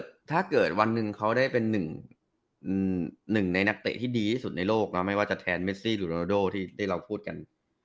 ถ้าเกิดวันหนึ่งเขาได้เป็นหนึ่งในนักเตะที่ดีที่สุดในโลกนะไม่ว่าจะแทนเมซี่ลูโรนาโดที่เราพูดกัน